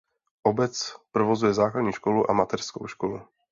Obec provozuje základní školu a mateřskou školu.